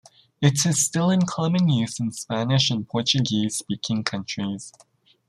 It is still in common use in Spanish- and Portuguese-speaking countries.